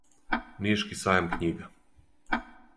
Нишки сајам књига.